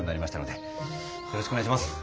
よろしくお願いします。